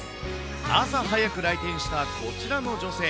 朝早く来店したこちらの女性。